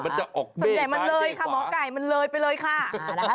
ส่วนใหญ่มันเลยค่ะหมอไก่มันเลยไปเลยค่ะ